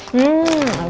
hmm wangi banget